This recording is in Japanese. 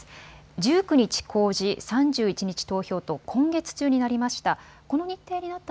１９日公示、３１日投票と今月中になりました。